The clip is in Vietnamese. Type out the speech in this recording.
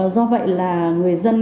do vậy là người dân